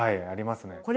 はいありますね。